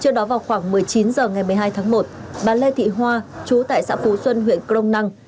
trước đó vào khoảng một mươi chín h ngày một mươi hai tháng một bà lê thị hoa chú tại xã phú xuân huyện crong năng